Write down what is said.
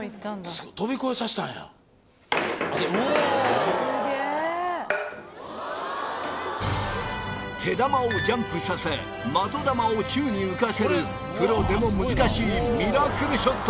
すげえ手玉をジャンプさせ的玉を宙に浮かせるプロでも難しいミラクルショット！